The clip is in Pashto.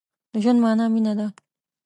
د ژوند مانا مينه ده.